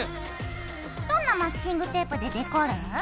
どんなマスキングテープでデコる？